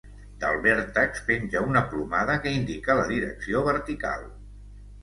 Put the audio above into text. Del vèrtex penja una plomada que indica la direcció vertical.